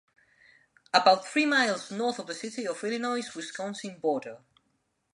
About three miles north of the city is the Illinois - Wisconsin border.